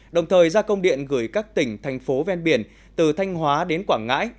đồng thời gia công điện gửi các tỉnh thành phố ven biển từ thanh hóa đến quảng ngãi